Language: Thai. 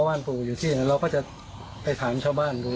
บ้านฟูอยู่ที่นั้นเราก็จะไปถามชาวบ้านดู